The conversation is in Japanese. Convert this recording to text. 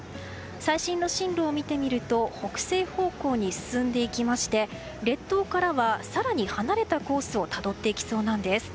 最新の進路を見てみると北西方向に進んでいきまして列島からは更に離れたコースをたどっていきそうなんです。